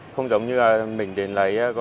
không giống như mình đến lấy